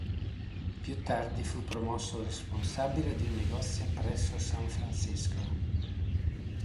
Più tardi fu promosso responsabile di un negozio presso San Francisco.